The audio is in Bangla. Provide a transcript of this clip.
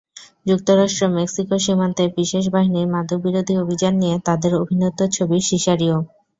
যুক্তরাষ্ট্র-মেক্সিকো সীমান্তে বিশেষ বাহিনীর মাদকবিরোধী অভিযান নিয়ে তাঁদের অভিনীত ছবি সিসারিও।